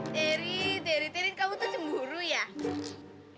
teri teri teri kamu tuh cemburu ya